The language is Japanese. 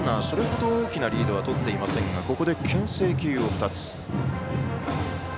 それほど大きなリードはとっていませんがここでけん制球を２つ。